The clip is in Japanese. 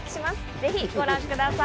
ぜひご覧ください。